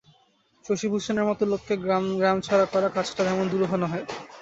শশিভূষণের মতো লোককে গ্রামছাড়া করা কাজটা তেমন দুরূহ নহে।